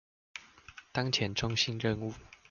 當前中心任務